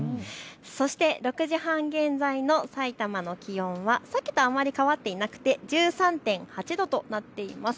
そして６時半現在のさいたまの気温はさっきとあまり変わっていなくて１３．８度となっています。